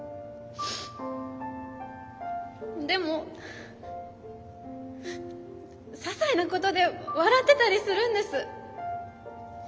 でもささいなことで笑ってたりするんです。